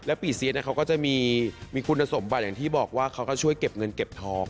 ปีเซียสเขาก็จะมีคุณสมบัติอย่างที่บอกว่าเขาก็ช่วยเก็บเงินเก็บทอง